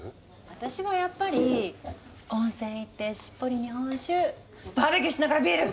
私はやっぱり温泉行ってしっぽり日本酒バーベキューしながらビール！